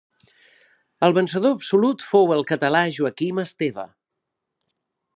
El vencedor absolut fou el català Joaquim Esteve.